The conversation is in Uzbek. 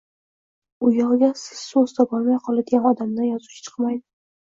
u yog’iga so’z topolmay qoladigan odamdan yozuvchi chiqmaydi.